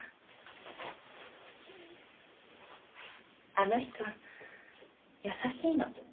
あの人優しいの。